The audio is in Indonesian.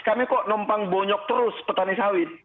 kami kok numpang bonyok terus petani sawit